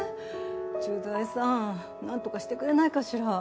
駐在さんなんとかしてくれないかしら？